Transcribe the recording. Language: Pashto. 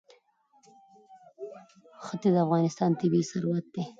ښتې د افغانستان طبعي ثروت دی.